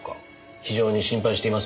非常に心配しています。